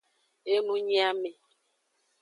Enunyiame.